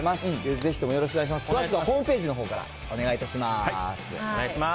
詳しくはホームページのほうからお願いします。